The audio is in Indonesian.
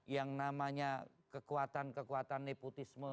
yang namanya kekuatan kekuatan nepotisme